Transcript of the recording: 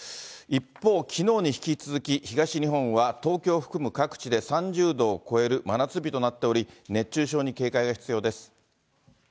一方、きのうに引き続き、東日本は東京を含む各地で３０度を超える真夏日となっており、熱中症に警戒が必要です。